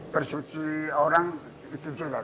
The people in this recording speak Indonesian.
persuci orang itu juga